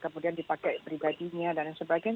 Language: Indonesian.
kemudian dipakai pribadinya dan sebagainya